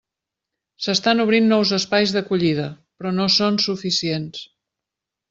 S'estan obrint nous espais d'acollida, però no són suficients.